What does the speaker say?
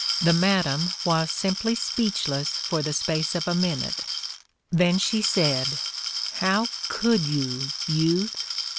the madam was simply speechless for the space of a minute. Then she said: 'How could you, Youth